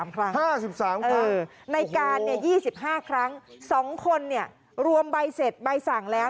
๕๓ครั้งโอ้โฮในการ๒๕ครั้งสองคนนี่รวมใบเสร็จใบสั่งแล้ว